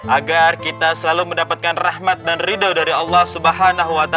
agar kita selalu mendapatkan rahmat dan ridho dari allah swt